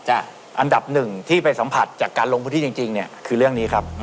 อันดับหนึ่งที่ไปสัมผัสจากการลงพื้นที่จริงเนี่ยคือเรื่องนี้ครับ